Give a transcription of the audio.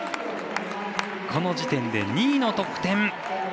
この時点で２位の得点。